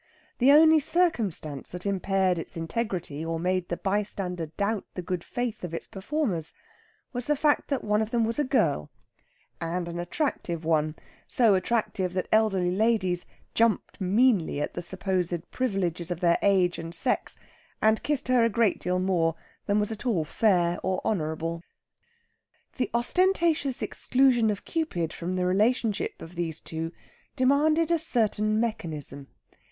The only circumstance that impaired its integrity or made the bystander doubt the good faith of its performers was the fact that one of them was a girl, and an attractive one so attractive that elderly ladies jumped meanly at the supposed privileges of their age and sex, and kissed her a great deal more than was at all fair or honourable. The ostentatious exclusion of Cupid from the relationship of these two demanded a certain mechanism.